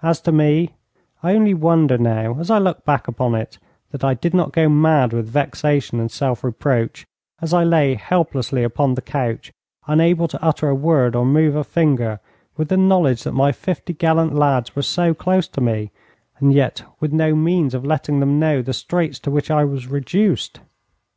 As to me, I only wonder now, as I look back upon it, that I did not go mad with vexation and self reproach as I lay helplessly upon the couch, unable to utter a word or move a finger, with the knowledge that my fifty gallant lads were so close to me, and yet with no means of letting them know the straits to which I was reduced.